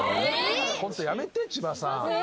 ホントやめて千葉さん。